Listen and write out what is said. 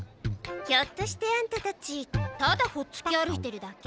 ひょっとしてアンタたちただほっつき歩いてるだけ？